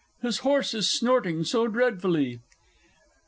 His horse is snorting so dreadfully!